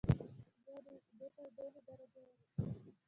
بیا د اېشېدو تودوخې درجه ولیکئ.